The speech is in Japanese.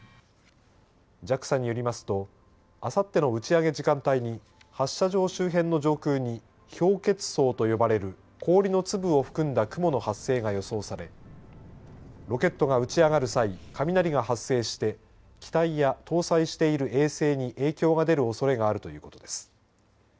ＪＡＸＡによりますとあさっての打ち上げ時間帯に発射場周辺の上空に氷結層と呼ばれる氷の粒を含んだ雲の発生が予想されロケットが打ち上がる際雷が発生して機体や搭載している衛星に影響が出るおそれがあるということです。